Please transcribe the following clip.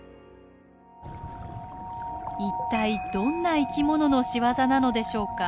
一体どんな生きものの仕業なのでしょうか？